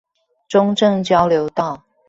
中正交流道